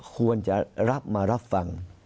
ควรจะรับมารับฟัง